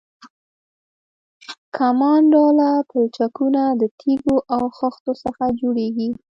کمان ډوله پلچکونه د تیږو او خښتو څخه جوړیږي